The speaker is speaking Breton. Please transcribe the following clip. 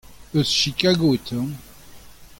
Eus Chigago e teuan.